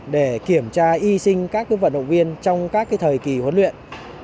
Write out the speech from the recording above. để kiểm tra y sinh các vận động viên trong các thời kỳ huấn luyện